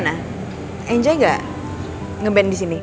nginja gak ngeband di sini